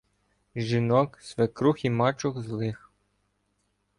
Жінок, свекрух і мачух злих.